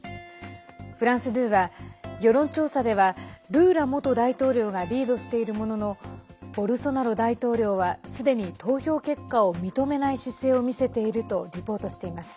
フランス２は世論調査ではルーラ元大統領がリードしているもののボルソナロ大統領はすでに投票結果を認めない姿勢を見せているとリポートしています。